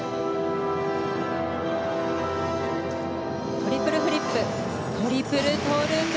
トリプルフリップトリプルトウループ。